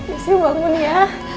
jessy bangun ya